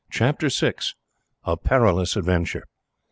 Chapter 6: A Perilous Adventure.